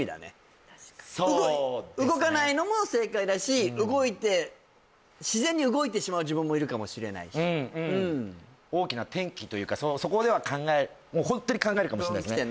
動かないのも正解だし動いて自然に動いてしまう自分もいるかもしれないしうんうん大きな転機というかそこでは考えホントに考えるかもしれないですね